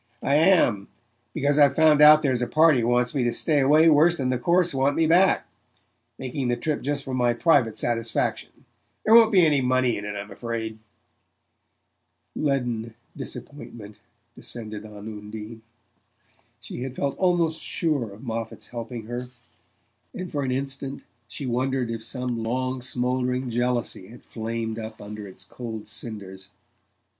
"I am, because I've found out there's a party wants me to stay away worse than the courts want me back. Making the trip just for my private satisfaction there won't be any money in it, I'm afraid." Leaden disappointment descended on Undine. She had felt almost sure of Moffatt's helping her, and for an instant she wondered if some long smouldering jealousy had flamed up under its cold cinders.